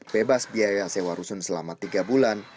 bebas biaya sewa rusun selama tiga bulan